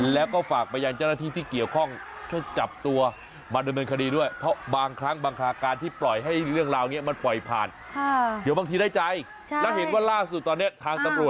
แล้วก็ฝากมายังจ้านที่ที่เกี่ยวข้อง